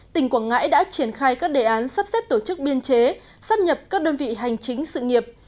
tỉnh quảng ngãi đã triển khai các đề án sắp xếp tổ chức biên chế sắp nhập các đơn vị hành chính sự nghiệp